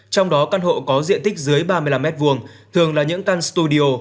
trong đó căn hộ có diện tích dưới ba mươi năm m hai thường là những căn studio